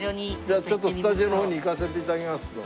じゃあちょっとスタジオの方に行かせて頂きます。